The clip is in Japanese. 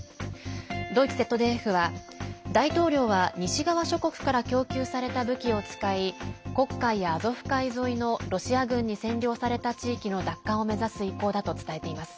ドイツＺＤＦは大統領は西側諸国から供給された武器を使い黒海やアゾフ海沿いのロシア軍に占領された地域の奪還を目指す意向だと伝えています。